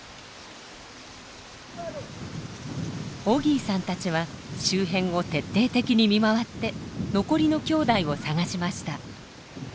オギーさんたちは周辺を徹底的に見回って残りのきょうだいを捜しました。